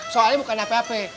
soalnya bukan hp hp